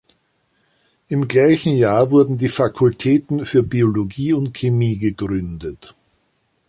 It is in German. Im gleichen Jahr wurden die Fakultäten für Biologie und Chemie gegründet.